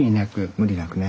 無理なくね。